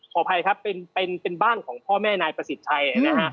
ขออภัยครับเป็นบ้านของพ่อแม่นายประสิทธิ์ชัยนะฮะ